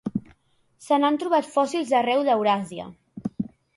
Se n'han trobat fòssils arreu d'Euràsia.